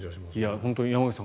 本当に山口さん